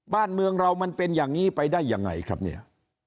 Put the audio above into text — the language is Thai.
บ้านเมืองเรามันเป็นอย่างนี้ไปได้ยังไงครับเนี่ย